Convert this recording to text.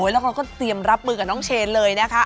แล้วเขาก็เตรียมรับมือกับน้องเชนเลยนะคะ